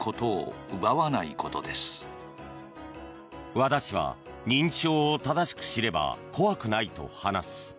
和田氏は認知症を正しく知れば怖くないと話す。